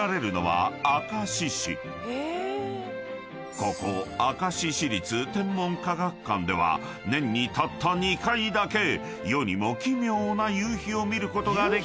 ［ここ明石市立天文科学館では年にたった２回だけ世にも奇妙な夕陽を見ることができるというのだ］